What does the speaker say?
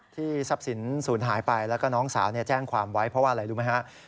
ทรัพย์สินศูนย์หายไปแล้วก็น้องสาวแจ้งความไว้เพราะว่าอะไรรู้ไหมฮะ